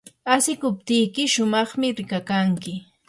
asikuptiyki shumaqmi rikakanki.